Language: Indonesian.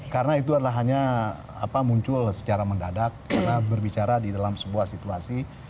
karena itu adalah hanya muncul secara mendadak karena berbicara di dalam sebuah situasi